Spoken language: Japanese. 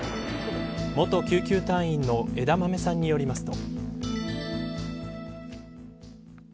元救急隊員のえだまめさんによりますと。